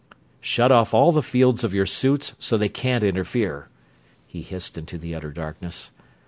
"Shut off all the fields of your suits, so that they can't interfere!" he hissed into the utter darkness.